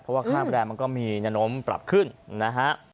เพราะว่าข้างแปดมันก็มีญนมปรับขึ้นนะฮะ